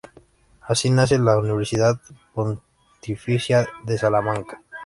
Así nace la Universidad Pontificia de Salamanca.